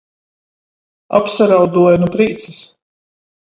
Apsarauduoja nu prīcys.